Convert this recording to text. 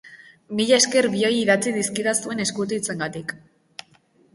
Mila esker bioi idatzi dizkidazuen eskutitzengatik.